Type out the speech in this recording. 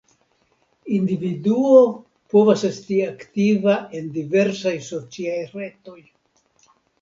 Individuo povas esti aktiva en diversaj sociaj retoj.